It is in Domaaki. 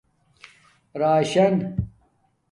راشن